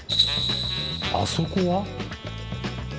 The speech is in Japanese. あそこは？